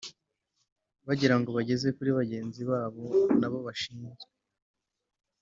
bagira ngo bageze kuri bagenzi babo n'abo bashinzwe